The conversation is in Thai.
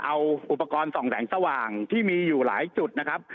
เอาอุปกรณ์ส่องแสงสว่างที่มีอยู่หลายจุดนะครับ